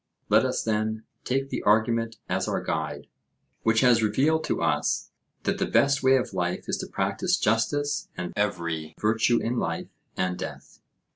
Let us, then, take the argument as our guide, which has revealed to us that the best way of life is to practise justice and every virtue in life and death.